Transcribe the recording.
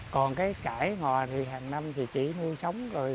còn cái cải ngò thì hàng năm thì chỉ nuôi sống rồi